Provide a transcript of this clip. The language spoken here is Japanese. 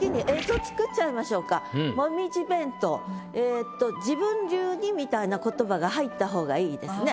ええっと「自分流に」みたいな言葉が入った方がいいですね。